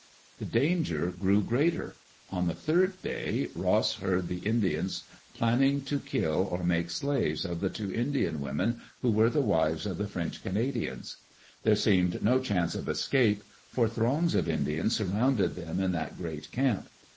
The danger grew greater. On the third day Ross heard the Indians planning to kill or make slaves of the two Indian women who were die wives of the French Cana dians. There seemed no chance of escape, for throngs of Indians surrounded them in that great camp.